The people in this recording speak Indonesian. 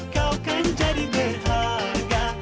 kau kan jadi berharga